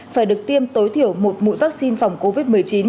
phải được tiêm tối thiểu một mũi vaccine phòng covid một mươi chín